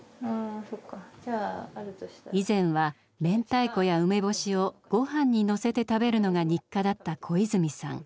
以前は明太子や梅干しを御飯にのせて食べるのが日課だった小泉さん。